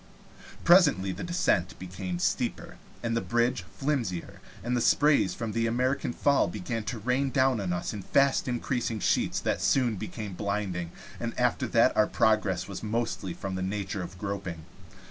Presently the descent became steeper and the bridge flimsier, and sprays from the American Fall began to rain down on us in fast increasing sheets that soon became blinding, and after that our progress was mostly in the nature of groping.